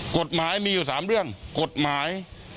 กฎหมายมีอยู่๓เรื่องกฎหมาย